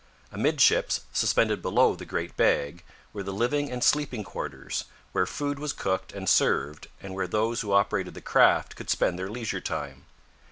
Amidships, suspended below the great bag, were the living and sleeping quarters, where food was cooked and served and where those who operated the craft could spend their leisure time.